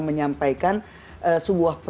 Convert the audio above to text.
sebagai contoh ya